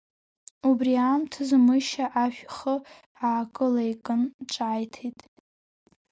Убри аамҭазы, Мышьа ашә ихы аакылеикын ҿааиҭит…